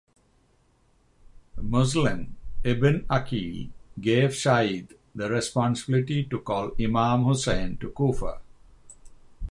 Muslim ibn Aqil gave Saeed the responsibility to call Imam Hussain to Kufa.